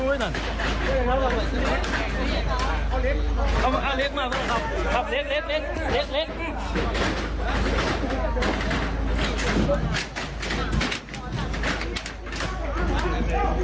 หน้าเล็กมาครับ